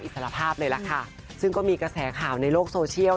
สารภาพเลยล่ะค่ะซึ่งก็มีกระแสข่าวในโลกโซเชียล